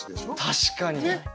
確かに。